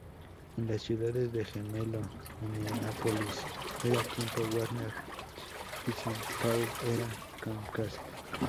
En las Ciudades de Gemelo, Minneapolis era Tiempo Warner y Santo Paul era Comcast.